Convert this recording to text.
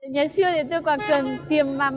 nhớ xưa thì tôi còn cần tiềm mắm